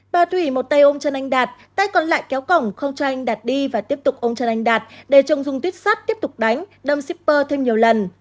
bà thủy một tay ôm chân anh đạt tay còn lại kéo cổng không cho anh đạt đi và tiếp tục ôm chân anh đạt để trùng dùng tuyết sắt tiếp tục đánh đâm shipper thêm nhiều lần